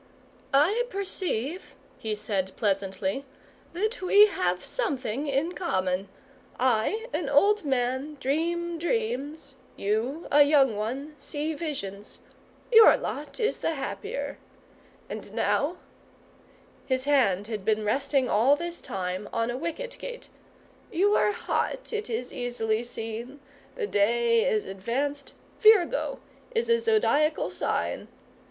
"I perceive," he said pleasantly, "that we have something in common. I, an old man, dream dreams; you, a young one, see visions. Your lot is the happier. And now " his hand had been resting all this time on a wicket gate "you are hot, it is easily seen; the day is advanced, Virgo is the Zodiacal sign.